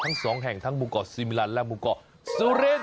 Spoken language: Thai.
ทั้ง๒แห่งทั้งมุมเกาะสิมิลันด์และมุมเกาะซูลินด์